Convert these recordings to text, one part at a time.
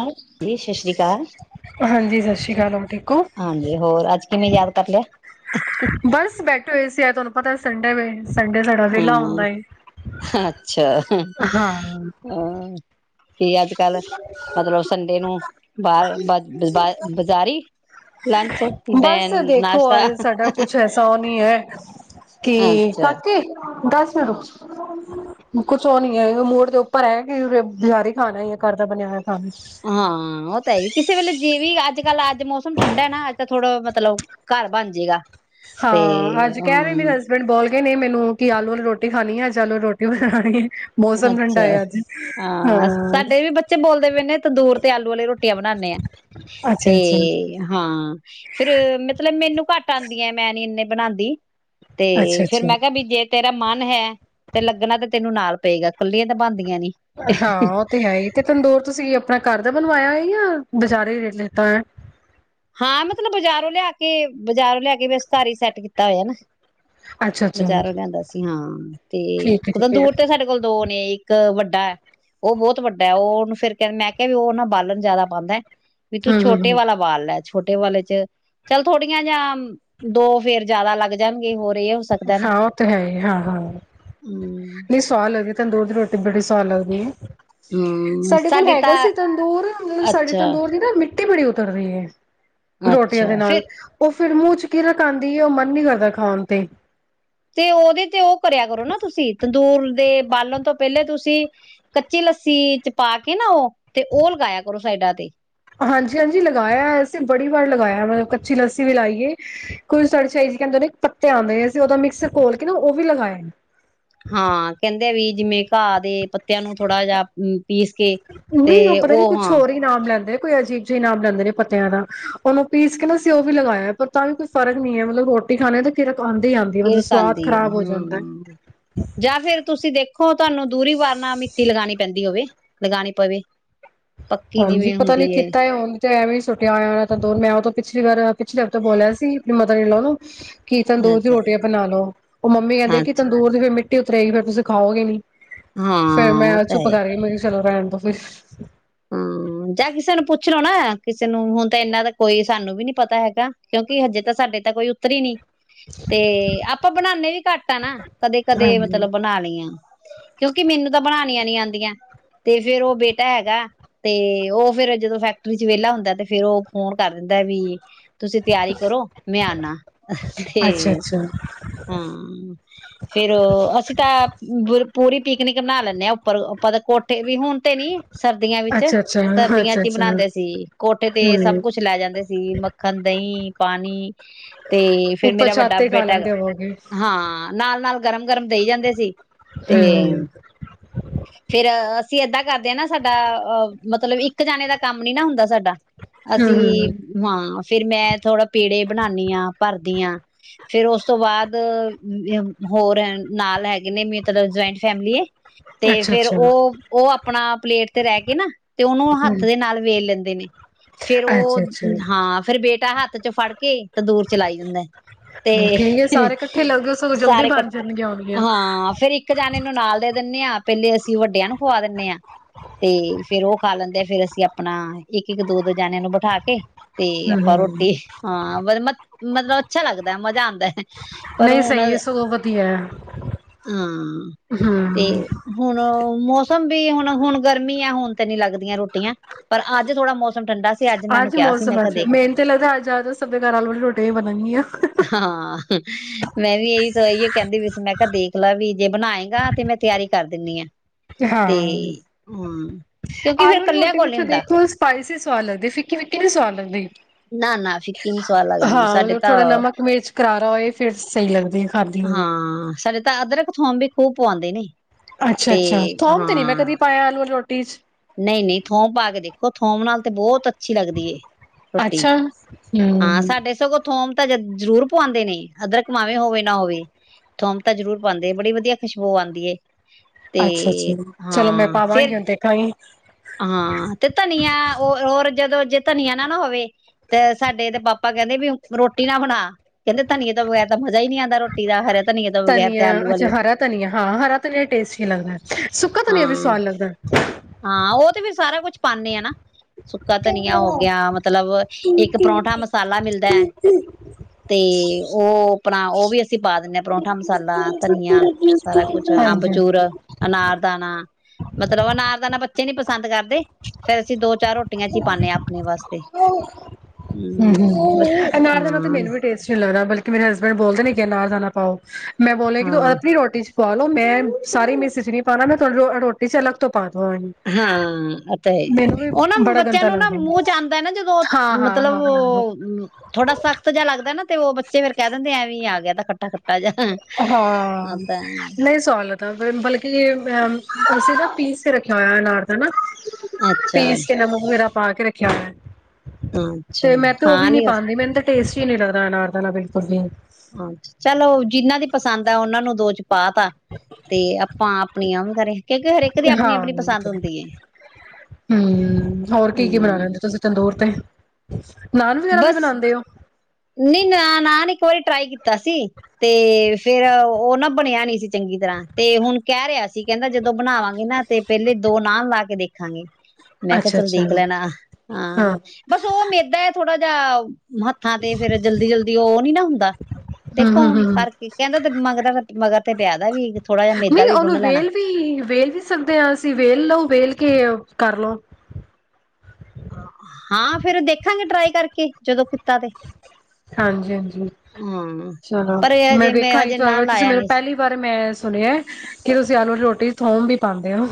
ਜ ਸਤਿ ਸ੍ਰੀ ਅਕਾਲ ਹਾਂਜੀ ਸਤਿ ਸ਼੍ਰੀ ਅਕਾਲ ਹੋਰ ਠੀਕ ਹੋ ਹਾਂਜੀ ਹੋਰ ਅੱਜ ਕਿਵੇਂ ਯਾਦ ਕਰ ਲਿਆ ਬਸ ਬੈਠੇ ਹੋਏ ਸੀ ਯ ਤੁਹਾਨੂੰ ਪਤਾ ਸੰਡੇ ਸੰਡੇ ਸਾਡਾ ਵਿਹਲਾ ਹਮ ਹੁੰਦਾ ਏ ਅੱਛਾ ਹਾਂ ਹ ਕੀ ਅੱਜ ਕੱਲ ਮਤਲਬ ਸੰਡੇ ਨੂੰ ਬਾਹਰ ਬ ਬਾ ਬਾਜ਼ਾਰੀ ਲੰਚ ਬਸ ਦਨ ਦੇਖੋ ਨਾਸ਼ਤਾ ਕੀ ਅੱਛਾ ਕਾਕੇ ਦੱਸ ਮ ਕੁਛ ਉਹ ਨੀ ਹੈ। ਮੋੜ ਦੇ ਉੱਪਰ ਹੈ। ਕਿ ਬਾਰੀ ਖਾਣਾ ਹੀਏ ਘਰ ਦਾ ਬਣਿਆਇਆ ਖਾ ਹਾਂ ਉਹ ਤਾਂ ਇਹ ਵੀ ਕਿਸੇ ਵੇਲੇ ਜੇ ਵੀ ਅੱਜ ਕੱਲ੍ਹ ਅੱਜ ਮੌਸਮ ਠੰਡਾ ਨਾ ਅਜ ਤਾਂ ਥੋੜਾ ਮਤਲਬ ਘਰ ਬਣ ਜਾਏਗਾ। ਹਾਂ ਅੱਜ ਕਹਿ ਰਹੇ ਮੇਰੇ ਹਸਬੈਂਡ ਬੋਲ ਗੇ ਨੇ ਮੈਨੂੰ ਕਿ ਆਲੂ ਰੋਟੀ ਖਾਣੀ ਆ ਅੱਜਲੂ ਰੋਟੀ ਬਣਾਉਣਗੇ। ਅੱਛਾ ਹਾਂ ਸਾਡੇ ਵੀ ਬੱਚੇ ਬੋਲਦੇ ਪਏਦੇ ਤੰਦੂਰ ਤੇ ਆਲੂ ਵਾਲੀ ਰੋਟੀਆਂ ਬਣਾਉਦੇ ਆ ਤੇ ਅੱਛਾ ਅੱਛਾ ਹ। ਫੇਿਰ ਮਤਲਬ ਮੈਨੂੰ ਘੱਟ ਆਉਂਦੀਆਂ ਮੈਂ ਨੀ ਇੰਨੇ ਬਣਾਉਂਦੀ। ਤੇ ਅੱਛਾ ਫਿਰ ਅੱਛਾ ਮੈਂ ਕਿਹਾ ਵੀ ਜੇ ਤੇਰੇ ਤੇਰਾ ਮਨ ਹੈ ਤੇ ਲੱਗਣਾ ਤੇ ਤੈਨੂੰ ਨਾਲ ਪਏਗਾ ਕੱਲੀ ਤਾਂ ਬੰਦ ਹਾਂ ਉਹ ਤੇ ਹੈ। ਹੀ ਤੇ ਤੰਦੂਰ ਤੁਸੀਂ ਆਪਣਾ ਘਰ ਦਾ ਬਣਵਾਇਆ ਵਧਆ ਬਜ਼ਾਰੇ ਹੀ ਰੇਟ ਲਤਾ ਹੈ। ਹਾਂ ਮਤਲਬ ਬਜ਼ਾਰੋਂ ਲਿਆ ਕੇ ਬਜ਼ਾਰੋਂ ਲਿਆ ਕੇ ਵਿਸਤਾਰੀ ਸੈੱਟ ਕੀਤਾ ਹੋਇਆ ਨਾ ਅੱਛਾ ਅੱਛਾ ਬਜ਼ਾਰੋਂ ਲਿਆਂਦਾ ਸੀ ਹਾਂ ਤੇ ਠੀਕ ਹੈ ਕੁਦੋਂ ਠੀਕ ਹੈ ਦੂਰ ਤੇ ਸਾਡੇ ਕੋਲ ਦੋ ਨੇ ਇੱਕ ਵੱਡਾ ਵੱਡਾ ਉਹ ਬਹੁਤ ਵੱਡਾ ਉਹਨੂੰ ਫਿਰ ਕਹਿੰ ਮੈਂ ਕਿਹਾ ਵੀ ਉਹ ਨਾ ਬਾਲਣ ਜਿਆਦਾ ਪਾਉਂਦਾ ਵੀ ਤੂੰ ਹਮ ਹਮ ਛੋਟੇ ਹਮ ਵਾਲਾ ਬਾਲ ਲੈ ਛੋਟੇ ਵਾਲੇ ਚ ਚੱਲ ਥੋੜੀਆਂ ਜਾ ਦੋ ਫੇਰ ਜਿਆਦਾ ਲੱਗ ਜਾਣਗੇ ਹੋਰ ਇਹ ਹੋ [unintelligible] ਸਕਦਾ ਨਾ ਹਾਂ ਉਹ ਤੇ ਹੈ ਹੀ ਹਾਂ ਹਾਂ ਹਮ ਨਹੀਂ ਸਵਾਦ ਲੱਗਦੀ ਤੈਨੂੰ ਦੋੱਧ ਰੋਟੀ [unintelligible] ਤੇ ਬੜੀ ਸਦ ਲੱਗਦੀ ਆ [unintelligible] ਹਮ ਸਾਡੇ ਕੋਲ ਸਾਡੀ ਹੈਗਾ ਤਾਂ ਸੀ ਤੰਦੂਰ ਮਤਲਬ ਸਾਡੇ ਅੱਛਾ ਤੰਦੂਰ ਦੀ ਨਾ ਮਿੱ [unintelligible] ਮਿੱਟੀ ਬੜੀ ਉਤਰ ਰਹੀ ਹੈ [unintelligible] ਰੋਟੀਆਂ ਦੇ ਅੱਛਾ ਫੇਰ ਨਾਲ ਉਹ [unintelligible] ਫਿਰ ਮੂੰਹ ਚ ਕਿਰ ਖ ਆਂਦੀ ਹੈ ਉਹ ਮਨ ਨੀ ਕਰਦਾ ਖਾਣ ਤੇ [unintelligible] ਤੇ ਉਹਦੇ ਤੇ ਉਹ ਕਰਿਆ ਕਰੋ ਨਾ ਤੁਸੀਂ [unintelligible] ਦੂਰ ਦੇ ਬਾਲਣ ਤੋਂ ਪਹਿਲੇ ਤੁਸੀਂ ਕੱਚੀ ਲੱਸੀ ਚ ਪਾ ਕੇ ਨਾ ਉਹ ਤੇ ਉਹ ਲਗਾਇਆ ਕਰੋ ਸਾਈਡਾਂ ਤੇ [unintelligible] ਹਾਂਜੀ ਹਾਂਜੀ ਲਗਾਇਆ ਅਸੀਂ ਬੜੀ ਵਾਰ ਲਗਾਇਆ ਮਤਲਬ ਕੱਚੀ ਲੱਸੀ ਵੀ ਲਾਈਏ ਕੁਝ ਸਾਾਈ ਜ ਕਹਿੰਦੇ ਇੱਕ ਪੱਤੇ ਆਉਂਦੇ ਅਸੀਂ ਉਹਦਾ ਮਿਕਸਰ ਖੋਲ ਕੇ ਨਾ ਉਹ ਵੀ ਲਗਾਏ [unintelligible] ਹਾਂ ਕਹਿੰਦੇ ਵੀ ਜਿਵੇਂ ਘਾਹ ਦੇ ਪੱਤੇ [unintelligible] ਤਿਆਂ ਨੂੰ ਥੋੜਾ ਜਿਹਾ ਪੀਸ ਕੇ ਤੇ ਨਹੀਂ ਪਤਾ ਨੀ ਉਹ ਕੁਛ ਹਾਂ ਹੋਰ ਹੀ [unintelligible] ਕੋਈ ਅਜੀਬ ਜਿਹੀਪ ਲੈਂਦੇ ਨੇ ਪੱਤਿਆਂ ਦਾ ਉਹਨੂੰ ਪੀਸ ਕੇ ਨਾ ਸਿਓ ਵੀ ਲਗਾਇਆ ਪਰ ਤਾਂ ਵੀ ਕੋਈ ਫਰਕ ਨੀ ਹੈ ਮਤਲਬ ਰੋਟੀ ਖਾਣੇ ਦਾ ਕਿਰਕ ਆਉਂਦੀ ਹੀ [unintelligible] ਆਉਂਦੀ ਹੈ, ਮਤਲਬ ਸਵਾਦ ਕਿਰਕਦੀ ਹੈ ਖ਼ਰਾਬ ਹੋ ਜਾਂਦਾ ਹੈ ਹਮ ਜਾਂ ਫਿਰ ਤੁਸੀਂ ਦੇਖੋ [unintelligible] ਤੁਹਾਨੂੰ ਦੂਰੀ ਵਾਰ ਨਾਲ ਮਿੱਟੀ ਲਗਾਉਣੀ ਪੈਂਦੀ ਹੋਵੇ [unintelligible] ਲਗਾਉਣੀ ਪਵੇ [unintelligible] ਪੱਕੀ ਹਾਂਜੀ ਜਿਵੇਂ ਪਤਾ ਨੀ ਹੁੰਦੀ ਕਿੱ ਹੈ ਕੀਤਾ ਉਹ ਤੇ ਐਵੇਂ ਸੁੱਟਿਆ ਹੋਇਆ ਤਾਂ ਦੋ ਮੈਂ ਉਹ ਤੋਂ ਪਿਛਲੀ ਵਾਰ ਪਿਛਲੇ ਹਫ਼ ਤੋਂ ਬੋਲਿਆ ਸੀ [inaudible] [unintelligible] ਕਿ ਤੰਦੂਰ ਦੀ ਅੱਛਾ ਰੋਟੀਆਂ ਬਣਾ ਲੋ ਉਹ ਮੰਮੀ ਕਹਿੰਦੇ ਕਿ ਅੱਛਾ ਤੰਦੂਰ ਦੀ ਫਿਰ ਮਿੱਟੀ [unintelligible] ਰਟੀ ਉਤਰੇਗੀ ਫਿਰ ਤੁਸੀਂ ਖਾਉਗੇ [unintelligible] ਫੇਿਰ ਹਾਂ ਮੈਂ ਉਹ ਤਾਂ ਚੁੱਪ ਹੈ ਕਰ ਰਹੀ ਮੈਨੂੰ ਚਲੋ [unintelligible] ਰਹਿਣ ਦੋ ਫਿਰ [unintelligible] ਹਮ ਜਾਂ ਕਿਸੇ ਨੂੰ ਪੁੱਛ ਲਓ ਨਾ ਕਿਸੇ ਨੂੰ ਹੁਣ ਤਾਂ ਇਹਨਾਂ ਦਾ ਕੋਈ ਸਾਨੂੰ ਵੀ ਨੀ ਪਤਾ ਹੈਗਾ ਕਿਉਂਕਿ ਹਜੇ ਤਾਂ ਸਾਡੇ ਤਾਂ ਕੋਈ ਉੱਤਰਰੀ ਹੀ ਨੀ [unintelligible] ਤੇ ਆਪਾਂ ਬਣਾਉਂਦੇ ਵੀ ਘੱਟ ਆ ਨਾ ਕਦੇ ਕਦੇ ਹਾਂਜੀ ਮਤਲਬ ਬਣਾ ਲਈ ਆ [unintelligible] ਕਿਉਂਕਿ ਮੈਨੂੰ ਤਾਂ ਬਣਾਉਣੀਆਂ ਨੀ ਆਉਂਦੀਆਂ ਤੇ ਫੇਰ ਉਹ ਬੇਟਾ ਹੈਗਾ [unintelligible] ਤੇ ਉਹ ਫਿਰ ਜਦੋਂ ਫੈਕਟਰੀ ਚ ਵਿਹਲਾ ਹੁੰਦਾ ਤੇ ਫਿਰ ਉਹ ਫੋਨ ਕਰ ਦਿੰਦਾ ਵੀ [unintelligible] ਤੁਸੀਂ ਤਿਆਰੀ ਕਰੋ ਮੈਂ ਆਨਾ ਤੇ ਅੱਛਾ ਅੱਛਾ ਹਾਂ ਫੇਿਰ ਅਸੀਂ ਤਾਂ ਬੁਰ [unintelligible] ਪੂਰੀ ਪਿਕਨਿਕ ਬਣਾ ਲੈਂਦੇ ਹਾਂ ਉੱਪਰ ਆਪਾਂ ਦੇ ਕੋਠੇ ਵੀ ਹੁਣ [unintelligible] ਤੇ ਨੀ ਸਰਦੀਆਂ ਵਿੱਚ [unintelligible] ਅੱਛਾ ਅੱਛਾ ਸਰਦੀਆਂ ਅੱਛਾ ਚ ਹੀ ਅੱਛਾ ਬਣਾਉਂਦੇ ਸੀ ਕੋਠੇ ਤੇ ਹਮ ਸਭ ਕੁਛ ਲੈ ਜਾਂਦੇ ਸੀ ਮੱਖਣ ਦਹੀਂ ਪਾਣੀ ਤੇ ਫੇਿਰ ਉੱਪਰ ਮੇਰਾ ਛੱਤ ਵੱਡਾ ਤੇ ਖਾ ਬੇਟਾ ਲੈਂਦੇ ਹੈਗਾ ਹੋਵੋਗੇ ਹਾਂ ਨਾ [unintelligible] ਨਾਲ ਨਾਲ ਗਰਮ ਗਰਮ ਦੇਈ ਜਾਂਦੇ ਸੀ [unintelligible] ਤੇ ਹੂੰ, ਫਿਰ [unintelligible] ਅਸੀਂ ਏਦਾਂ ਕਰਦੇ ਹਾਂ ਨਾ ਸਾਡਾ ਅਹ [unintelligible] ਮਤਲਬ ਇੱਕ ਜਾਣੇ ਦਾ ਕੰਮ ਨੀ ਨਾ ਹੁੰਦਾ ਸਾਡਾ [unintelligible] ਅਸੀਂ ਹੂੰ, ਹਾਂ ਫਿਰ ਮੈਂ ਥੋੜਾ ਪੀੜੇ ਬਣਾਉਾਨਦੀ ਹਾਂ ਭਰ [unintelligible] ਦੀਆਂ ਫੇਰ ਉਸ ਤੋਂ ਬਾਅਦ ਹੋਰ ਨਾਲ ਹੈਗੇ ਨੇ ਮਤਲਬ ਜੁਆਇੰਟ ਫੈਮਿਲੀ ਤੇ ਫੇਰ ਅੱਛਾ-ਅੱਛਾ, ਉਹ ਉਹ ਆਪਣਾ ਪਲੇਟ ਤੇ ਰਹਿ ਕੇ ਨਾ ਤੇ ਉਹਨੂੰ ਹੂੰ, ਹੱਥ ਦੇ ਨਾਲ ਲੈਂਦੇ ਨੇ ਫੇਰ ਉਹ ਅੱਛਾ-ਅੱਛਾ। ਹਾਂ, ਫੇਰ ਬੇਟੇ ਤਾਂ ਹੱਥ ਚ ਫੜ ਕੇ ਦੂਰ ਚਲਾਈ ਜਾਂਦਾ ਤੇ ਠੀਕ ਹੈ ਸਾਰੇ ਇਕੱਠੇ ਲੱਗਦੇ ਸਗੋਂ ਜਲਦੀ ਸਾਰੇ ਬਣ ਕੱਠੇ ਜਾਣਗੀਆਂ ਹੋਣਗੀਆਂ। ਹਾਂ, ਫੇਰ ਇੱਕ ਜਾਣੇ ਨੂੰ ਨਾਲ ਦੇ ਦਿੰਦੇ ਹਾਂ। ਪਹਿਲੇ ਅਸੀਂ ਅਸੀ ਵੱਡਿਆਂ ਨੂੰ ਖਵਾ ਦਿੰਦੇ ਹਾਂ ਤੇ ਫੇਰ ਉਹ ਫਿਰ ਅਸੀਂ ਆਪਣਾ ਇੱਕ ਇੱਕ ਦੋ ਦੋ ਜਣਿਆਂ ਨੂੰ ਬਿਠਾ ਕੇ ਤੇ ਆਪਾਂ ਹੂੰ, ਰੋਟੀ ਹਾਂ ਮਤਲਬ ਅੱਛਾ ਲੱਗਦਾ, ਮਜਾ ਆਉਦਾ। ਪਰ ਨਹੀਂ ਹੁਣ ਹਾਂ ਸਹੀ ਹੈ ਸਗੋਂ ਵਧੀਆ ਹੈ। ਤੇ ਹੂੰ, ਹੁਣ ਮੌਸਮ ਵੀ ਹੁਣ ਹੁਣ ਗਰਮੀ ਆ ਹੁਣ ਤਾਂ ਨੀ ਲਗਦੀਆਂ ਰੋਟੀ ਪਰ ਅੱਜ ਥੋੜਾ ਮੌਸਮ ਠੰਡਾ ਸੀ, ਅੱਜ ਮੈ ਉਸਨੂੰ ਕਿਹਾ ਸੀ, ਮੈਂ ਮੌਸਮ ਕਿਹਾ ਅੱਛਾ ਦੇਖ, ਮੈਨੂੰ ਤੇ ਲੱਗਦਾ ਅੱਜ ਜ਼ਿਆਦਾ ਸਭ ਦੇ ਘਰ ਆਲੂ ਵਾਲੀ ਰੋਟੀਆਂ ਹੀ ਬਣਨਗੀਆਂ। ਹਾਂ ਮੈਂ ਵੀ ਇਹੀ ਕਹਿੰਦੀ ਪਈ ਸੀ, ਮੈਂ ਕਿਹਾ ਦੇਖ ਡੋਕਲਾ ਵੀ ਜੇ ਬਣਾਏਗਾ ਤੇ ਮੈਂ ਤਿਆਰੀ ਕਰ ਦਿੰਦੀ ਆ। ਤੇ ਹਾਂ। ਹਾਂ। ਆਲੂ ਦੀ ਰੋਟੀ ਵਿੱਚ ਬਿਲਕੁਲ ਤਿੱਖੀ ਸਵਾਦ ਲੱਗਦੀ, ਫਿੱਕੀ ਫਿੱਕੀ ਨੀ ਸਵਾਦ ਲੱਗਦੀ। ਨਾ ਨਾ ਫਿੱਕੀ ਨੀ ਸਵਾਦ ਲੱਗਦੀ ਹਾਂ, ਸਾਡੇ ਮਤਲਬ ਤਾਂ ਥੋੜਾ ਨਮਕ ਮਿਰਚ ਕਰਾਰਾ ਹੋਏ ਫਿਰ ਸਹੀ ਲੱਗਦੀ। ਖਾਧੀ ਨੂੰ। ਹਾਂ, ਸਾਡੇ ਤਾਂ ਅਦਰਕ, ਥੋਮ ਵੀ ਖੂਬ ਪਵਾਉਂਦੇ ਨੇ ਅੱਛਾ, ਤੇ ਅੱਛਾ ਥੋਮ ਤੇ ਨੀ ਮੈਂ ਹਾਂ ਕਦੀ ਪਾਇਆ ਆਲੂ [unintelligible] ਨਹੀਂ ਨਹੀਂ ਥੋਮ ਪਾ ਕੇ ਦੇਖੋ, ਥੋਮ ਨਾਲ ਤੇ ਬਹੁਤ ਅੱਛੀ ਲੱਗਦੀ ਰੋਟੀ, ਅੱਛਾ, ਹਾਂ ਹੂੰ। ਸਾਡੇ ਸਗੋਂ ਥੋਮ ਤਾਂ ਜ਼ਰੂਰ ਪਵਾਉਂਦੇ ਨੇ, ਅਦਰਕ ਭਾਵੇ ਹੋਵੇ ਨਾ ਹੋਵੇ, ਥੋਮ ਤਾਂ ਜ਼ਰੂਰ ਪਾਉਦੇ, ਬੜੀ ਵਧੀਆ ਖੁਸ਼ਬੂ ਆਉਂਦੀ ਹੈ। ਅੱਛਾ, ਅੱਛਾ ਚਲੋ ਮੈਂ ਫੇਰ ਪਾਵਾਂਗੀ ਹੁਣ ਦੇਖਾਂਗੀ। ਹਾਂ ਤੇ ਧਨੀਆ ਉਹ ਹੋਰ ਜਦੋਂ ਧਨੀਆ ਨਾ ਨਾ ਹੋਵੇ। ਤੇ ਸਾਡੇ ਇਹਦੇ ਪਾਪਾ ਕਹਿੰਦੇ ਵੀ ਰੋਟੀ ਨਾ ਬਣਾ, ਕਹਿੰਦੇ ਧਨੀਏ ਤੋਂ ਬਗੈਰ ਤਾਂ ਮਜ਼ਾ ਹੀ ਨਹੀਂ ਆਉਂਦਾ, ਰੋਟੀ ਦਾ ਹਰੇ ਧਨੀਏ ਤੋਂ ਬਗੈਰ ਤੇ ਧਨੀਆ ਆਲੂ ਅੱਛਾ ਵਾਲੀ, ਹਰਾ ਧਨੀਆ ਹਾਂ ਹਰਾ ਧਨੀਆ ਟੇਸਟੀ ਲੱਗਦਾ ਸੁੱਕਾ ਧਨੀਆ ਵੀ ਹਾਂ ਸਵਾਦ ਲੱਗਦਾ ਹਾਂ, ਉਹ ਤੇ ਵੀ ਸਾਰਾ ਕੁਛ ਪਾਣੇ ਆ ਨਾ ਸੁੱਕਾ ਧਨੀਆ ਹੋ ਗਿਆ ਮਤਲਬ ਇੱਕ ਪਰੌਂਠਾ ਮਸਾਲਾ ਮਿਲਦਾ ਹੈ ਤੇ ਉਹ ਆਪਣਾ ਉਹ ਵੀ ਅਸੀਂ ਪਾ ਦਿੰਦੇ ਹਾਂ ਪਰੌਂਠਾ ਮਸਾਲਾ ਧਨੀਆ ਸਾਰਾ ਕੁਛ ਹਾਂਜੀ ਅੰਬਚੂਰ ਅਨਾਰ ਦਾਣਾ ਮਤਲਬ ਅਨਾਰਦਾਨਾ ਬੱਚੇ ਨੀ ਪਸੰਦ ਕਰਦੇ ਫੇਰ ਅਸੀਂ ਦੋ ਚਾਰ ਰੋਟੀਆਂ ਚ ਹੀ ਪਾਉਂਦੇ ਹਾਂ ਆਪਣੇ ਵਾਸਤੇ ਹੂੰ, ਬ ਅਨਾਰ ਦਾ ਨਾਲ ਤੇ ਹਾਂ, ਮੈਨੂੰ ਵੀ ਟੇਸਟ ਨਹੀਂ ਲੱਗਦਾ ਬਲਕਿ ਮੇਰੇ ਹਸਬੈਂਡ ਬੋਲਦੇ ਨੇ ਕਿ ਅਨਾਰ ਪਾਓ ਮੈਂ ਬੋਲਿਆ ਕਿ ਤੂੰ ਹਾਂ, ਆਪਣੀ ਰੋਟੀ 'ਚ ਸਾਰੀ ਮੈਸਿਜ ਨਹੀਂ ਪਾਉਣਾ ਮੈਂ ਤੋਂ ਰੋਟੀ ਚਚ ਅੱਗ ਤੋਂ ਪਾ ਹਾਂ ਹਾਂ ਐ ਤਾਂ ਉਹ ਨਾ ਬੱਚਿਆਂ ਨੂੰ ਨਾ ਮੂੰਹ ਵਿੱਚ ਆਉਂਦਾ ਨਾ ਜਦੋਂ ਹਾਂ ਹਾਂ ਮਤਲਬ ਹਾਂ ਹਾਂ ਥੋੜਾ ਸਖ਼ਤ ਜਿਹਾ ਲੱਗਦਾ ਨਾ ਤੇ ਉਹ ਬੱਚੇ ਫੇਰ ਕਹਿ ਦਿੰਦੇ ਐਵੇਂ ਆ ਗਿਆ ਤਾਂ ਖ ਤਕ ਹਾਂ ਨਹੀਂ ਸੁ ਲ ਬਲਕਿ ਅਸੀਂ ਨਾ ਪੀਸ ਕੇ ਰੱਖਿਆ ਹੋਇਆ ਅਨਾਰਦਾਨਾ ਅੱਛਾ, ਪੀਸ ਕੇ ਨਮਕ ਵੇਰਾ ਪਾ ਕੇ ਰੱਖਿਆ ਹੋਇ ਅੱਛਾ ਤੇ ਮੈਂ ਤੇ ਉਹ ਵੀ ਹਾਂ ਨੀ ਪਾਉਂਦੀ ਮੈਨੂੰ ਟੇਸਟੀ ਨੀ ਲੱਗਦਾ ਅਨਾਰਦਾਨਾ ਬਿਲਕੁਲ ਵੀ ਜਿਨ੍ਹਾਂ ਦੇ ਪਸੰਦ ਆ ਉਹਨਾਂ ਨੂੰ ਦੋ ਚ ਪਾ ਤਾ ਤੇ ਆਪਾਂ ਆਪਣੀ ਉਹ ਵੀ ਕਰੇ ਕਿਉਂਕਿ ਹਰੇਕ ਦੀ ਆਪਣੀ ਹਾਂ ਆਪਣੀ ਪਸੰਦ ਹੁੰਦੀ ਹੈ ਹਮ ਹਮ ਬਸ ਨਾਨ ਵਗੈਰਾ ਵੀ ਬਣਾਉਂਦੇ ਹੋ ਨਨ ਨਾਨ ਇੱਕ ਵਾਰੀ ਟਰਾਈ ਕੀਤਾ ਸੀ ਤੇ ਫੇਰ ਉਹ ਨਾ ਬਣਿਆ ਨ ਸੀ ਚੰਗੀ ਤਰ੍ਹਾਂ ਤੇ ਹੁਣ ਕਹਿ ਰਿਹਾ ਸੀ ਕਹਿੰਦਾ ਜਦੋਂ ਬਣਾਵਾਂਗੇ ਨਾ ਤੇ ਪਹਿਲੇ ਦੋ ਨਾਨ ਲਾ ਕੇ ਦੇਖਾਂਗੇ ਮੈਂ ਕਿਹਾ ਅੱਛਾ ਚੱਲ ਅੱਛਾ ਦੇਖ ਲੈਣਾ ਹਾਂ ਬਸ ਉਹ ਮੇਦਾ ਹੈ ਥੋੜਾਹਾ ਮਤ ਥਾਂ ਤੇ ਫੇਰ ਜਲਦੀ ਜਲਦੀ ਉਹ ਨੀ ਨਾ ਹੁੰਦਾ ਦੇਖੋ ਹਮ ਹੁਣ ਹਮ ਕਰਕੇ ਕਹਿੰਦਾ ਤੇ ਮਗਰ ਦਾ ਮਗਰ ਤੇ ਪਿਆਦਾ ਵੀ ਥੋੜ੍ਹਾ ਜਿਹਾ ਮੇਦਾ ਨਹੀਂ ਵੀ ਉਹਨੂੰ ਗੁੰਨ ਲੈਣਾ ਵੇਲ ਵੀ ਵੇਲ ਵੀ ਸਕਦੇ ਹਾਂ ਅਸੀਂ ਵੇਲ ਲਓ ਵੇਲ ਕੇ ਕਰ ਲੋ ਹਾਂ ਫੇਰ ਦੇਖਾਂਗੇ ਟਰਾਈ ਕਰਕੇ ਜਦੋਂ ਕੀਤਾ ਤੇ ਹਾਂਜੀ ਹਾਂਜੀ ਹਾਂ ਚਲੋ ਪਰ ਇਹ ਮੈਂ ਹਜੇ ਵੇਖਾਂ ਜ ਹਜੇ ਨਾ ਤੁਹਾਡੇ ਤੁਸੀਂ ਲਾਇਆ ਮੇਨੂੰ ਨਹੀਂ ਸੀ ਪਹਿਲੀ ਵਾਰ ਮੈਂ ਸੁਣਿਆ ਕਿ ਤੁਸੀਂ ਆਲੂ ਦੀ ਰੋਟੀ ਥੋਮ ਵੀ ਪਾਉਂਦੇ ਹੋ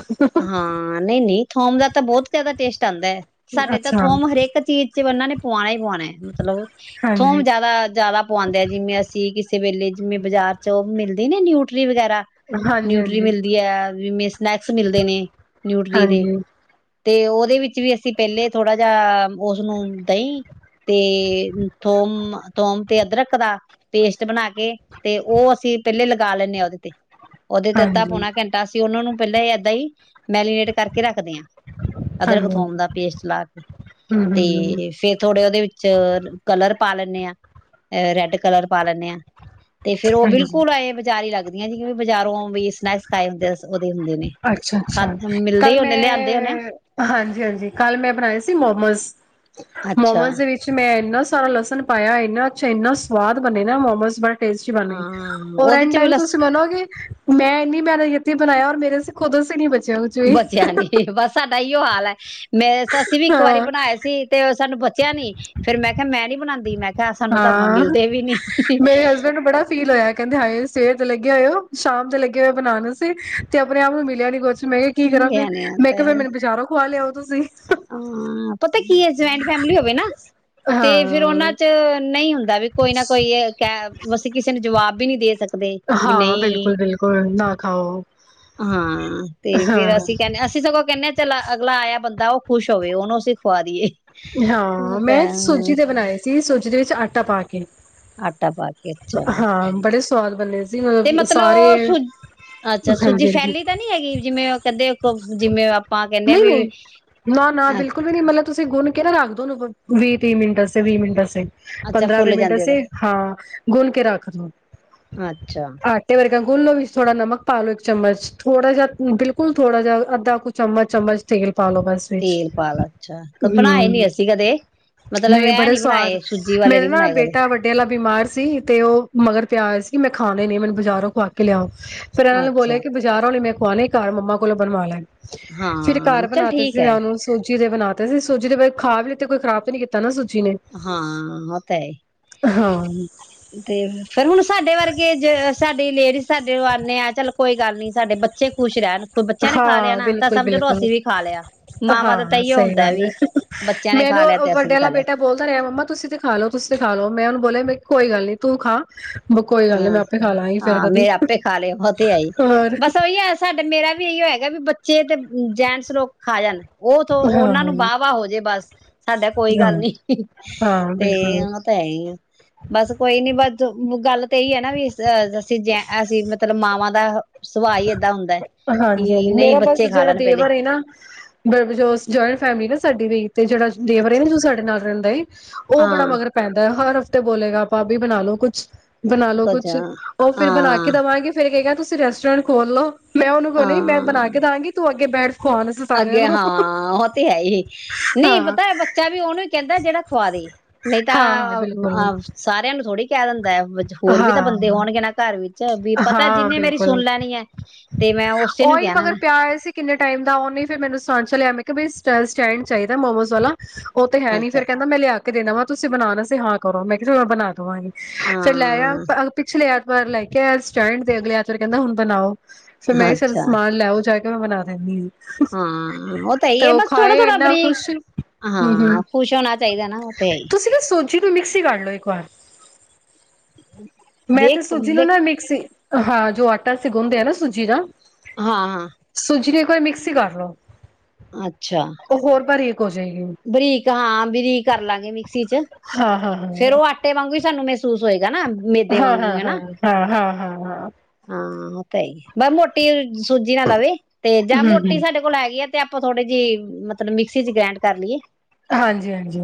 ਹਾਂ ਨਹੀਂ ਨਹੀਂ ਥੋਮ ਦਾ ਤਾਂ ਬਹੁਤ ਜ਼ਿਆਦਾ ਟੇਸਟ ਆਉਂਦਾ ਹੈ ਸਾਡੇ ਤਾਂ ਅੱਛਾ ਥੋਮ ਹਰੇਕ ਚੀਜ਼ ਵਿੱਚ ਉਹਨਾਂ ਨੇ ਪਆਣਾ ਹੀ ਪਆ ਮਤਲਬ ਥੋਮ ਹਾਂਜੀ ਜਿਆਦਾ ਜਿਆਦਾ ਪਉਂਦੇ ਆ ਜਿਵੇਂ ਅਸੀਂ ਕਿਸੇ ਵੇਲੇ ਜਿਵੇਂ ਬਾਜ਼ਾਰ ਚ ਉਹ ਮਿਲਦੀ ਨੇ ਨਿਊਟਰੀ ਵਗੈਰਾ ਹਾਂਜੀ ਨਿਊਟਰੀ ਹਾਂਜੀ ਮਿਲਦੀ ਹੈ ਮੇਿਸਨੇੇਚ ਮਿਲਦੇ ਨੇ ਨਿਊਟਲੀ ਦੇ ਹਾਂਜੀ ਤੇ ਉਹਦੇ ਵਿੱਚ ਵੀ ਅਸੀਂ ਪਹਿਲੇ ਥੋੜਾ ਜਾਿਹਾ ਉਸਨੂੰ ਦਹੀਂ ਤੇ ਥੋਮ-ਥੋਮ ਤੇ ਅਦਰਕ ਦਾ ਪੇਸਟ ਬਣਾ ਕੇ ਤੇ ਉਹ ਅਸੀਂ ਪਹਿਲੇ ਲਾ ਲੈਂਦੇਾਂ ਹਾ ਉਹਦੇ ਤੇ ਉਹਦੇ ਤੇ ਹਾਂਜੀ ਅੱਧਾ-ਪੌਣਾ ਘੰਟਾ ਅਸੀ ਉਹਨਾ ਨੂੰ ਪਹਿਲੇ ਦਾਈ ਮੈਰੀਨੇਟ ਕਰਕੇ ਰੱਖਦੇ ਹਾਂ, ਅਦਰਕ-ਥੋਮ ਹਾਂਜੀ ਦਾ ਪੇਸਟ ਲਾ ਕੇ ਹੂੰ ਹੂੰ ਤੇ ਫੇਰ ਥੋੜੇ ਉਹਦੇ ਵਿੱਚ ਕਲਰ ਪਾ ਲੈਂਦੇ ਹਾਂ, ਏ ਰੈੱਡ ਕਲਰ ਪਾ ਲੈਂਦੇ ਹਾਂ ਤੇ ਫੇਰ ਉਹ ਹਾਂਜੀ ਬਿਲਕੁਲ ਐਂ ਵਿਚਾਰ ਹੀ ਲੱਗਦਾ ਜ ਜਿਵੇ ਵੀ ਬਜ਼ਾਰੋਂ ਵੀ ਸਨੈਕਸ ਖਾਏ ਹੁੰਦੇ ਉਹਦੇ ਹੁੰਦੇ ਨੇ ਅੱਛਾ, ਖਾ ਅੱਛਾ। ਮਿਲਦੇ ਕੱਲ ਹੀ ਮੈਂ, ਉਹਨੇ ਲਿਆਂਦੇ ਹੋਣੇ ਹਾਂਜੀ-ਹਾਂਜੀ। ਕੱਲ ਮੈਂ ਬਣਾਏ ਸੀ ਮੋਮਸ, ਅੱਛਾ ਮੋਮਸ ਦੇ ਵਿੱਚ ਮੈਂ ਇਹਨਾਂ ਸਾਰਾ ਲਸਣ ਪਾਇਆ ਹੋਏ ਨਾ ਇੰਨਾ ਅੱਛਾ ਇੰਨਾ ਸਵਾਦ ਬਣੇੇ ਨਾ ਮੋਮੋਸ ਬਤ ਬੋਤ ਤਸਟੀ ਬਣਨ ਹੈ ਹਾਂ ਹੋਏ ਉਹਦੇ ਐਂਡ ਚ ਵੀ ਟਾਈਮ ਤੇ ਲਸ ਤੁਸੀਂ ਮੰਨੋਗੇ ਮੈਂ ਨਹੀਂ ਮੈਂਨ ਯਤੀ ਬਣਾਇਆਔਰ ਮੇਰੀ ਸੀਂ ਖੁਦ ਅਸੀਂ ਬ ਬਚਿਆ ਨੀ ਬਸ ਸਾਡੇ ਤਾ ਇਓ ਹਾਲ ਹੈ। ਮੈਂ ਅੱਸੀਂ ਵੀ ਇੱਕ ਵਾਰੀ ਹਾਂ ਬਣਾਏ ਸੀ ਤੇ ਸਾਨੂੰ ਪੁੱਛਿਆ ਨੀ ਫਿਰ ਮੈਂ ਕਿਹਾ ਮੈਂ ਨੀ ਬਣਾਉਂ ਮੈਂ ਕਿਹਾ ਸਾਨੂੰ ਤਾਂ ਹਾਂ, ਮਿਲਦੇ ਵੀ ਨੀ ਮੇਰੇ ਹਸਬੈਂਡ ਨੂੰ ਬੜਾ ਫੀਲ ਹੋਇਆ ਕਹਿੰਦੇ ਹਾਏ ਸਵੇਰ ਤੇ ਲੱਗੇ ਹੋਏ ਹੋ ਸ਼ਾਮ ਤੇ ਲੱਗੇ ਹੋਏ ਬਣਾਨ ਸੀ ਤੇ ਆਪਣੇ ਆਪ ਨੂੰ ਮਿਲਿਆ ਨੀ ਕੁਛ ਨਹੀਂ, ਮੈਂ ਕਿਹਾ ਕੀ ਕਰਾਂ ਫਿਰ ਲਿਆਣੇ ਆ ਮੈਂ ਤਾਂ ਕਿਹਾ ਫਿਰ ਮੈਨੂੰ ਬਜਾਰੋ ਖਿਲਾ ਲਿਆਓ। ਤੁਸੀਂ ਹਾਂ, ਪਤਾ ਕਿ ਜੁਆਇੰਟ ਫੈਮਿਲੀ ਹੋਵੇ ਨਾ ਤੇ ਫੇਿਰ ਹਾਂ ਉਹਨਾਂ ਚ ਨਹੀਂ ਹੁੰਦਾ ਦਾ ਵੀ ਕੋਈ ਨਾ ਕੋਈ ਕਹਿ ਅਸੀਂ ਕਿਸੇ ਨੂੰ ਜਵਾਬ ਵੀ ਨਹੀਂ ਦੇ ਸਕਦੇ ਵੀ ਹਾਂ ਨਹੀਂ ਬਿਲਕੁਲ ਬਿਲਕੁਲ ਨਾ ਖਾਓ। ਹਾਂ, ਤੇ ਫੇਰ ਹਾਂ ਅਸੀਂ ਕਹਿੰਦੇ ਅਸੀਂ ਸਗੋਂ ਕਹਿੰਦੇ ਹ ਚ ਅਗਲਾ ਆਇਆ ਬੰਦਾ ਉਹ ਖੁਸ਼ ਹੋਵੇ ਉਹਨੂੰ ਅਸੀਂ ਖਵਾ ਦਈਏ। [unintelligible] ਹਾਂ ਮੈਂ ਸੂਜੀ ਦੇ ਬਣਾਏ ਸੀ ਸੂਜੀ [unintelligible] ਜਿਹਦੇ ਵਿੱਚ ਆਟਾ ਪਾ ਕੇ [unintelligible] ਆਟਾ ਪਾ ਕੇ ਅੱਛਾ ਹਾਂ ਬੜੇ ਸਵਾਦ ਬੰਨੇ ਸੀ ਤੇ ਸਾਰੇ ਮਤਲਬ ਸੂ ਅੱਛਾ ਸੂਜੀ ਹਾਂਜੀ ਹਾਂਜੀ ਫੈਲੀ ਤਾਂ ਨੀ ਹੈਗੀ ਜਿਵੇਂ ਕਹਿੰਦੇ ਜਿਵੇਂ ਆਪਾਂ ਕਹਿੰਦੇ ਆ ਨਹੀਂ ਵੀ ਨਹੀਂ ਅ [unintelligible] ਉੋਨ ਵੀਹ ਤੀਹ ਮਿੰਟ ਸ ਵੀਹ ਮਿੰਟ ਸੀ [unintelligible] ਅੱਛਾ ਪੰਦਰਾਂਵੇਂ ਫੁੱਲ ਮਿੰਟ ਜਾਂਦੇ ਹਾਂ ਗੁੰਨ ਕੇ ਰੱਖ ਦਿ ਉਹਦਾ ਅੱਛਾ ਆਠੇ ਵਰ [unintelligible] ਗੰ ਗੁਲੋ ਵਿੱਚ ਥੋੜਾ ਨਮਕ ਪਾਾਲ ਲੋ ਇੱਕ ਚਮ ਥੜਾ ਜਿਹਾ ਬਿਲਕੁਲ ਥੋੜਾ ਜਿਹਾ ਅੱਧਾ ਕੁ ਚਮਚ ਚਮਚ ਤੇਲ [unintelligible] ਤੇਲ ਪਾ ਅੱਛਾ ਕ [unintelligible] ਹਮ ਨਹੀਂ ਇਹ ਬੜੇ ਨੀ ਸਵਾਦ ਬਣਾਏ ਸੂਜੀ ਵਾਲੇ ਮੇਰੇ ਨੀ ਨਾ ਬਣਾਏ ਕਦੇ ਬੇਟਾ ਵੱਡਿਆਂ ਵਾਲ ਬਿਮਾਰ ਸੀ ਤੇ ਉਹ ਮਗਰ [unintelligible] ਪਿਆ ਆਇਆ ਸੀ ਮੈਂ ਖਾਣੇ ਨੇ ਮੈਨੂੰ ਬਾਰੋਂ ਖਵਾ ਕੇ ਲਿਆ [unintelligible] ਫਿਰ ਇਹਨਾਂ ਨੂੰ ਅੱਛਾ ਬੋਲਿਆ ਕਿ ਬਜ਼ਾਰੋਂ ਨ ਮੈਂ [unintelligible] ਖਣੇ ਘਰ ਮੰਮਾ ਕੋਲ ਬਣਵਾ ਲੈਣ [unintelligible] ਫਿਰ ਹਾਂ ਘਰ ਚੱਲ ਬਣਾਤੇ ਠੀਕ ਸੀ ਹੈ ਮੈਂ ਉਹਨੂੰ ਸੋ [unintelligible] ਚਿਦੇ ਬਣਾਦੇ ਸੀ [unintelligible] ਸੂਜੀ ਦੇ ਬਾਰੇ ਖਾ ਵੀ ਲ ਕੋਈ ਖਰਾਬ ਨੀ ਕੀਤਾ ਨਾ ਸੂ [unintelligible] ਹਾਂ ਉਹ ਤਾਂ ਹਾਂ ਤੇ ਫਿਰ ਹੁਣ ਸਾਡੇ ਵਰਗੇ ਜ ਸਾਡੀ ਲੇਡੀਜ਼ ਸਾਡੇ ਆਉਂਦੇ ਆ ਚੱਲ [unintelligible] ਕੋਈ ਗੱਲ ਨੀ ਸਾਡੇ ਬੱਚੇ ਖੁਸ਼ ਰਹਿਣ [unintelligible] ਕੋਈ ਬੱਚਿਆਂ ਨੇ ਖਾ ਲਿਆ ਹਾਂ ਨਾ ਤਾਂ ਬਿਲਕੁਲ ਸਮਝ ਲਓ ਬਿਲਕੁਲ ਅਸੀਂ ਵੀ ਖਾ ਲਿਆ ਮਾਵਾਂ ਦਾ ਤਾਂ ਹਾਂ ਇਓ ਸਹੀ ਹੁੰਦਾ ਗੱਲ ਵੀ ਹੈ ਬੱਚਿਆਂ ਨੇ ਖਾ ਲਿਆ ਤੇ ਅਸੀਂ ਵੀ ਖਾ ਲਿਆ [unintelligible] ਤਾਂ ਰਿਹਾ ਮੰਮਾ ਤੁਸੀਂ ਤੇ ਖਾ ਲੋ ਤੁਸੀਂ ਖਾ ਲੋ ਮੈਂ ਉਹਨੂੰ ਬੋਲਿਆ ਮ ਕੋਈ ਗੱਲ ਨੀ ਤੂੰ ਖਾ ਕੋਈ [unintelligible] ਗੱਲ ਨੀ ਹਮ ਮੈਂ ਆਪੇ ਖਾ ਲਾਂਗੀ ਫੇਰ ਹਾਂ ਕਦੀ ਮੇਰੇ ਆਪੇ ਖਾ ਲਏ ਬ ਤੇ ਆਈ ਹੋਰ ਬਸ ਉਹੀ ਆ ਸਾਡਾ ਮੇਰਾ ਵੀ ਇਹੀ ਹੋਇਆ [unintelligible] ਹੈਗਾ ਵੀ ਬੱਚੇ ਤੇ ਜੈਂਟਸ ਲੋਕ ਖਾ ਜਾਣ [unintelligible] ਉਹਥ ਹਾਂ ਉਹਨਾਂ ਨੂੰ ਵਾਹ ਵਾਹ ਹੋ ਜੇ ਬਸ ਸਾਡਾ ਕੋਈ ਹਾਂ ਗੱਲ ਨੀ ਹਾਂ ਤੇ ਬਿਲਕੁਲ ਉਹ ਤਾਂ ਹੈਈ ਆ ਬਸ ਕੋਈ ਨੀ ਬਸ ਗੱਲ [unintelligible] ਨਾ ਵੀ ਅਹ ਅਸੀਂ ਜ ਅਸੀਂ ਮਤਲਬ ਮ [unintelligible] ਆਦਾ [unintelligible] ਹਾਂਜੀ ਹਾਂਜੀ ਨਹੀਂ ਮੇਰਾ ਬਸ ਬੱਚੇ ਖਾ ਜਿਹੜਾ ਲੈਣ ਪਹਿਲੇ ਦੇਵਰ ਹੈ ਨਾ ਬ ਜਇੰਟ ਫੈਮਿਲੀ ਨਾ ਸਾਡੀ ਵੀ [unintelligible] ਤੇ ਜਿਹੜਾ ਦੇਵਰੇ ਅੱਛ ਨਾ ਸਾਡੇ ਨਾਲ [unintelligible] ਰਿੰ [unintelligible] ਉਹ ਬੜਾ ਹਾਂ ਮਗਰ ਪੈਂਦਾ ਹਰ ਤੇ ਬੋਲੇਗਾ ਆਪਾਂਭ ਵੀ ਬਣਾ ਲੋ ਕੁੱਛ ਬਣਾ ਲਓ ਕੁਝ ਕੁੱਛ ਹਾਂ ਉਹ ਫਿਰ ਬਣਾ ਕੇ ਦੇਵਾਂਗੇ ਫੇਿਰ ਕਹਿ ਗਿਆ ਤੁਸੀਂ [inaudible] ਰੈਸਟ [inaudible] ਸਸਟਰੈਂਟੋਲ੍ਹੋ ਮੈਂ ਉਹਨੂੰ ਨੀ ਮੈਂ ਬਣਾ ਹਾਂ ਕੇ ਦਵਾਂਗੀ ਤੂੰ ਅੱਗੇ [inaudible] ਬੈਠ ਖਵਾਣ ਅਸੀਂ ਸਾਰਿਆਂ ਅੱਗੇ ਨੂੰ ਹਾਂ ਉਹ ਤੇ ਹੈ ਹਾਂ ਨਹੀਂ ਪਤਾ ਬੱਚਾ ਵੀ ਉਹਨੇ ਕਹਿੰਦਾ ਜਿਹੜਾ ਖਵਾ ਦੇ ਨਹੀਂ ਹਾਂ ਹਾਂ ਤਾਂ ਬਿਲਕੁਲ ਸਾਰਿਆਂ ਨੂੰ ਥੋੜੀ [unintelligible] ਦਾ ਹੋਰ ਵੀ ਤਾਂ ਹਾਂ ਬੰਦੇ ਹੋਣਗੇ ਨਾ ਘਰ ਵਿੱਚ ਵੀ ਪਤਾ ਹਾਂ ਜਿੰਹਨੇ ਮੇਰੀ ਸੁਣ ਬਿਲਕੁਲ ਲੈਣੀ ਹੈ ਤੇ ਮੈਂ ਉਸੇ ਨੂੰ ਉਹੀ ਕਹਿਣਾ ਨਾ ਮਗਰ ਪਿਆ ਹੋਇਆ ਸੀ ਕਿੰਨੇ ਟਾਈਮ ਦਾ ਉਹਨੇ ਫਿਰ ਮੈਨੂੰ ਸਚ ਲਿਆ ਮੈਂ ਕਿਹਾ ਬ ਸਟੈਂਡ ਚਾਹੀਦਾ ਮੋਮੋਜ਼ ਵਾਲਾ ਉਹ ਤੇ ਹੈ ਨੀ ਅੱਛਾ ਫਿਰ ਕਹਿੰਦਾ ਮੈਂ ਲਿਆ ਕੇ ਦੇਣਾ ਵਾਂ ਤੁਸੀਂ ਬਣਾ ਸੀ ਹਾਂ ਕਰੋ ਮੈਂ ਕਿਹਾ ਬਣਾ ਦਵਾਂਗੀ ਤੇ ਲੈ ਆ ਹਾਂ ਪਿਛਲੇ ਪਰਾਰ ਲੈ ਕੇ ਆ ਸਟੈਂਡ ਦੇ ਅਗਲੇ ਆਤਾਰ ਕਹਿੰਦਾ ਹੁਣ ਬਣਾਓ ਫਿਰ ਮੈਂ ਸ ਅੱਛਾ ਸਮਾਨ ਲੈਓ ਜਾ ਕੇ ਬਣਾ ਦੇ ਨਿਊਜ਼ ਹਾਂ ਉਹ ਤਾਂ ਹੈ ਹੈ ਬਸ ਥੋੜਾ ਥੋੜਾ ਇੰਨਾ ਬਰੀਕ ਖੁਸ਼ ਹੂੰ ਹੂੰ ਹਾਂ ਖ਼ੁਸ਼ ਹੋਣਾ ਚਾਹੀਦਾ ਨਾ ਉਹ ਤੇ ਹੈ ਹੀ ਚੀ ਤੂੰ ਮਿਕ੍ਸੀ ਕਢ ਲ ਇੱਕ ਵਾਰ ਮੈਂ ਦੇਖ ਤੇ ਸੂਜੀ ਨੂੰ ਦੇਖ ਨਾ ਮਿਕਸੀ ਹਾਂ ਜੋ ਆਟਾ ਸ ਗੋਂਦੇ ਆ ਨਾ ਸੂਜੀ ਨਾ ਹਾਂ ਹਾਂ ਦੂਜੀ ਨੇ ਇੱਕ ਵਾਰੀ ਮਿਕਸੀ ਕਰ ਲ ਲੋ ਅੱਛਾ ਉਹ ਹੋਰ ਬਾਰੀ ਬਰੀਕ ਹਾਂ ਬਰੀਕ ਕਰ ਲਾਂਗੇ ਮਿਕਸੀ ਚ [unintelligible] ਫਿਰ ਉਹ ਆਟੇ ਵਾਂਗ ਹੀ ਸਾਨੂੰ ਮਿਸ [unintelligible] ਨਾ ਮੇਦੇ ਹਾਂ ਵਾਂਗੂ ਹਾਂ ਹਾਂ ਹਨਾ ਹਾਂ ਹਾਂ ਹਾਂ ਹਾਂ ਹਾਂ ਤੇਹੀ [unintelligible] ਮੋਟੀ ਸੂਜੀ ਨਾ ਲਵੇ ਤੇ ਜਾਂ ਹੂੰ ਮੋਟੀ ਹੂੰ ਸਾਡੇ ਕੋਲ ਹੈਗੀ ਹੈ ਤੇ ਆਪਾਂ ਥੋੜੇ ਜਿਹੇ ਮਤਲਬ ਮਿਕਸੀ ਚ ਗ੍ਰੈਂਡ ਕਰ ਲਈਏ ਹਾਂਜੀ ਹਾਂਜੀ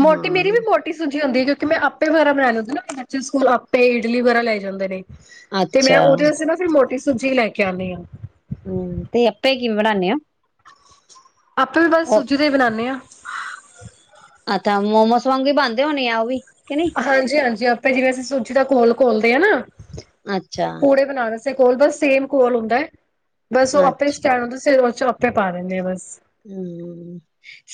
ਮੋਟੀ ਮੇਰੀ ਹਾਂ ਵੀ ਮੋਟੀ ਹੁੰਦੀ ਕਿਂਕਿ ਮੈਂ ਆਪੇ ਵੈਰਾ ਬਣਾ ਲੈਂਦੀਦਾ ਨਾ ਬੱਚੇ ਸਕੂਲ ਆਪੇ ਇਡਲੀ ਵਗੈਰਾ ਲੈ ਜਾਂਦੇ ਨੇ ਤੇ ਮੈਂ ਅੱਛਾ ਉਹਦੇ ਵਾਸਤੇ ਨਾ ਫਿਰ ਮੋਟੀ ਤੁੂਜੀ ਲੈ ਕੇ ਆਉਂਦੇ ਆ ਹਮ ਤੇ ਆਪੇ ਕਿਵੇਂ ਬਣਾਦੇ ਆ ਆਪਾਂ ਵੀ ਬਸ ਸੂਜੀ ਦਾ ਹੀ ਬਨਾਦੇ ਹਾਂ ਅੱਛਾ ਮੋਮੋਸ ਵਾਂਗ ਹੀ ਬਣਦੇ ਹੋਣੇ ਆ ਉਹ ਵੀ ਕਿ ਨਹੀਂ ਹਾਂਜੀ ਹਾਂਜੀ ਜਿਵੇਂ ਅਸੀਂ ਸੂਜੀ ਦਾ ਘੋਲ ਖੋਲਦੇ ਹ ਨਾ ਅੱਛਾ। ਚੇ ਕੋਲ ਦ ਸੇਮ ਕੋਲ ਹੁੰਦੈ। ਬਸ ਔ ਆਪੇ ਅੱਛਾ ਸਟੈਂਡ ਹੂਦੈ [unintelligible] ਚੋਪੇ ਪਾ ਰਿੰਦੇ ਐ ਬਸ। [inaudible]